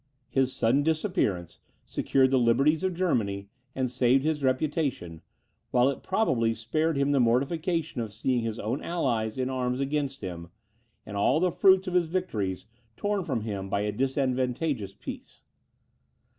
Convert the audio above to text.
His sudden disappearance secured the liberties of Germany, and saved his reputation, while it probably spared him the mortification of seeing his own allies in arms against him, and all the fruits of his victories torn from him by a disadvantageous peace.